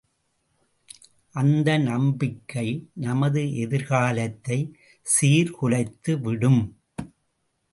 அந்த நம்பிக்கை நமது எதிர்காலத்தைச் சீர்குலைத்துவிடும்.